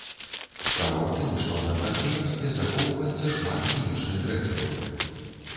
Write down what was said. Справа ў тым, што на прадпрыемстве захоўваецца шмат хімічных рэчываў.